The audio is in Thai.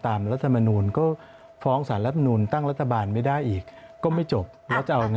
รัฐมนูลก็ฟ้องสารรัฐมนูลตั้งรัฐบาลไม่ได้อีกก็ไม่จบแล้วจะเอาไง